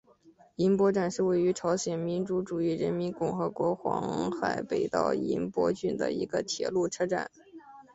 银波站是位于朝鲜民主主义人民共和国黄海北道银波郡的一个铁路车站。